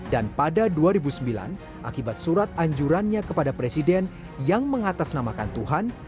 dan pada dua ribu sembilan akibat surat anjurannya kepada presiden yang mengatasnamakan tuhan